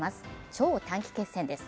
超短期決戦です。